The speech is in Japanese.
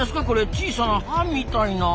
小さな歯みたいな。